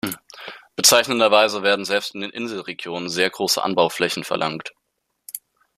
Bezeichnenderweise werden selbst in den Inselregionen sehr große Anbauflächen verlangt.